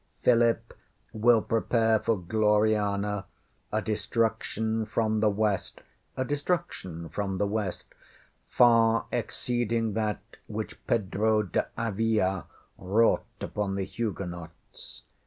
Philip will prepare for Gloriana a destruction from the West a destruction from the West far exceeding that which Pedro de Avila wrought upon the Huguenots.